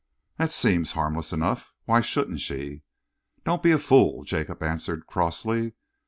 "That seems harmless enough. Why shouldn't she?" "Don't be a fool," Jacob answered crossly.